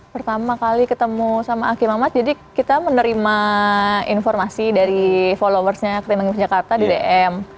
pertama kali ketemu sama aki mamat jadi kita menerima informasi dari followersnya ketimbang jakarta di dm